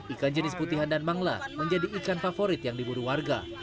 ikan jenis putihan dan mangla menjadi ikan favorit yang diburu warga